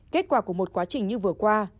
kết quả của một quá trình như vừa qua